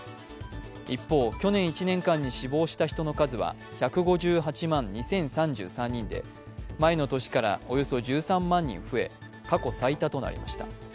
一方、去年１年間に死亡した人の数は１５８万２０３３人で前の年からおよそ１３万人増え過去最多となりました。